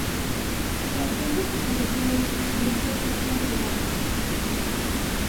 Que aquellos que cometieron esos delitos sean sancionados".